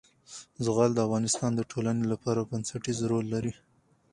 زغال د افغانستان د ټولنې لپاره بنسټيز رول لري.